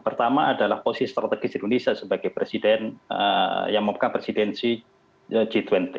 pertama adalah posisi strategis indonesia sebagai presiden yang memeka presidensi g dua puluh